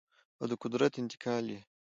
او د قدرت انتقال یې